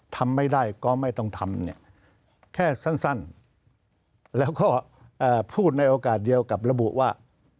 ทำไม่ได้ก็ไม่ต้องทำเนี่ยแค่สั้นแล้วก็พูดในโอกาสเดียวกับระบุว่า